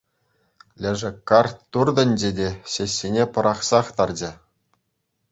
Лешӗ карт туртӑнчӗ те ҫӗҫҫине пӑрахсах тарчӗ.